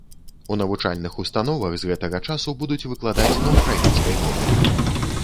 У навучальных установах з гэтага часу будуць выкладаць на ўкраінскай мове.